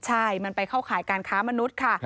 ใช่มันไปเข้าข่ายการค้ามนุษย์ค่ะ